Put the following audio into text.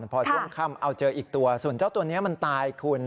พอช่วงค่ำเอาเจออีกตัวส่วนเจ้าตัวนี้มันตายคุณ